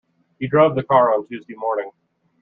You drove the car on Tuesday morning?